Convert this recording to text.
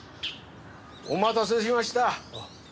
お待たせしました。